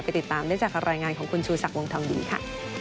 ติดตามได้จากรายงานของคุณชูศักดิ์วงทองดีค่ะ